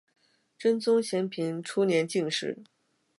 真宗咸平初年进士。